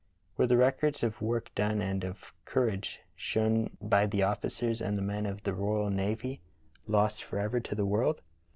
Were the records of work done and of courage shown by the officers and the men of the royal navy lost forever to the world?